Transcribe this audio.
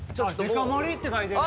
デカ盛りって書いてある。